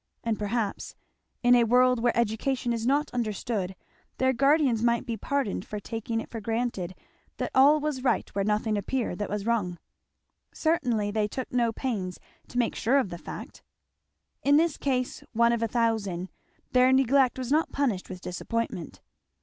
And perhaps, in a world where education is not understood, their guardians might be pardoned for taking it for granted that all was right where nothing appeared that was wrong; certainly they took no pains to make sure of the fact. In this case, one of a thousand, their neglect was not punished with disappointment.